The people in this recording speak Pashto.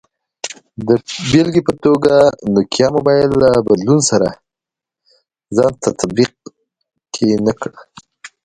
د بېلګې په توګه، نوکیا موبایل له بدلون سره ځان تطابق کې نه کړ.